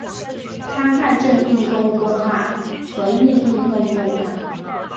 参看正运动动画和逆运动动画。